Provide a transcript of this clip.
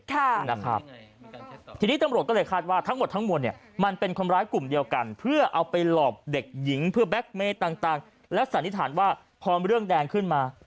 ค่ะนะครับทีนี้ตำรวจก็เลยคาดว่าทั้งหมดทั้งมวลเนี่ยมันเป็นคนร้ายกลุ่มเดียวกันเพื่อเอาไปหลอกเด็กหญิงเพื่อแก๊กเมย์ต่างและสันนิษฐานว่าพอเรื่องแดงขึ้นมา